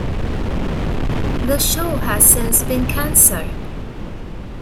The show has since been canceled.